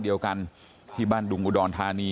เดียวกันที่บ้านดุงอุดรธานี